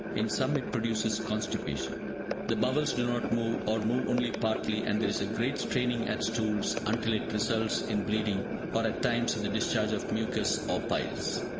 In some it produces constipation. The bowels do not move, or move only partly, and there is great straining at stools, until it results in bleeding, or at times in the discharge of mucus, or piles.